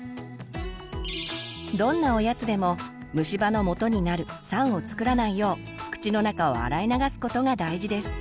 どんなおやつでも虫歯のもとになる酸をつくらないよう口の中を洗い流すことが大事です。